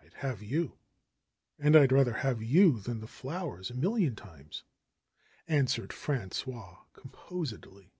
^T'd have you. And I'd rather have you than the flowers a million times !" answered Frangois composedly.